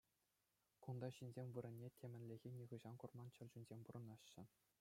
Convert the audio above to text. Кунта ҫынсем вырӑнне темӗнле нихӑҫан курман чӗрчунсем пурӑнаҫҫӗ.